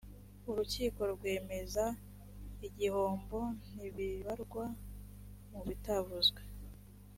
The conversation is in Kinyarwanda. urukiko rwemeza igihombo ntibibarwa mu bitavuzwe